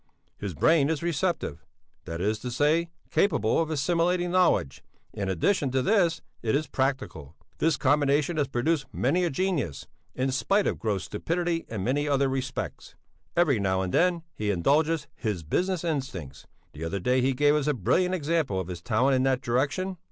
His brain is receptive, that is to say, capable of assimilating knowledge, and in addition to this it is practical; this combination has produced many a genius, in spite of gross stupidity in many other respects. Every now and then he indulges his business instincts; the other day he gave us a brilliant example of his talent in that direction.